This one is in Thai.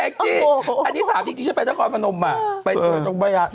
แอคกี้อันนี้ถามเสียบรรทความภาคมนมอะ